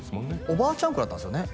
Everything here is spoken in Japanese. おばあちゃん子だったんですよね